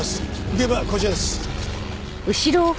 現場こちらです。